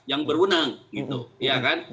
yang berwenang gitu ya kan